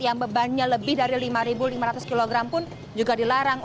yang bebannya lebih dari lima lima ratus kg pun juga dilarang